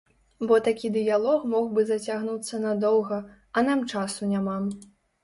Бо такі дыялог мог бы зацягнуцца надоўга, а нам часу няма.